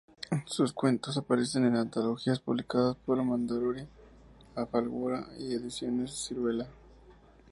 Sus cuentos aparecen en antologías publicadas por Mondadori, Alfaguara y Ediciones Siruela.